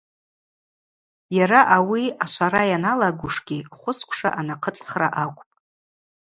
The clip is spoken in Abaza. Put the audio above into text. Йара ауи ашвара йналагушгьи, хвысквша анахъыцӏхра акӏвпӏ.